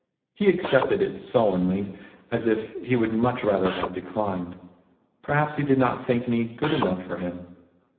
He accepted it sullenly, as if he would much rather have declined. Perhaps he did not think me good enough for him